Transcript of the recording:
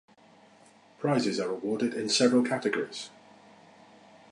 Prizes are awarded in several categories.